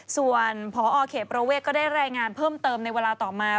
ส่วนพอเขตประเวทก็ได้รายงานเพิ่มเติมในเวลาต่อมา